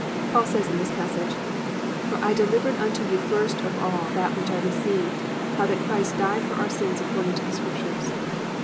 Paul says in this passage, +"For I delivered unto you first of all that which I received, how that Christ died for our sins according to the scriptures."